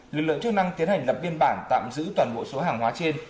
lực lượng chức năng tiến hành lập biên bản tạm giữ toàn bộ số hàng hóa trên